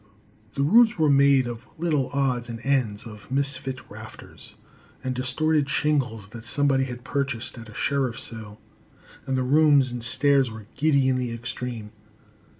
The roofs were made of little odds and ends of misfit rafters and distorted shingles that somebody had purchased at a sheriff's sale, and the rooms and stairs were giddy in the extreme.